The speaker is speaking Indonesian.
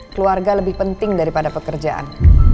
keluarga lebih penting daripada pekerjaan